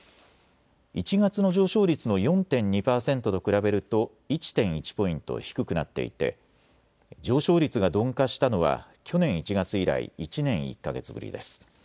１月の上昇率の４．２％と比べると１．１ポイント低くなっていて上昇率が鈍化したのは去年１月以来１年１か月ぶりです。